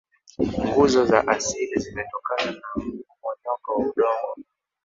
nguzo za asili zimetokana na mmomonyoko wa udongo